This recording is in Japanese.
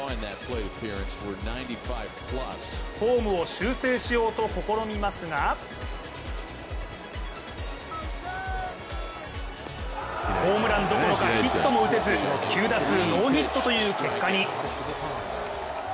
フォームを修正しようと試みますがホームランどころかヒットも打てず９打数ノーヒットという結果に。